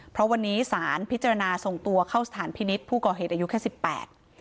เพราะวันนี้สารพิจารณาส่งตัวเข้าสถานพินิษฐ์ผู้ก่อเหตุอายุแค่สิบแปด